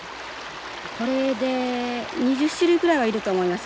これで２０種類ぐらいはいると思います。